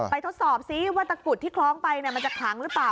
ทดสอบซิว่าตะกุดที่คล้องไปมันจะขลังหรือเปล่า